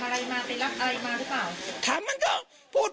พี่ทีมข่าวของที่รักของ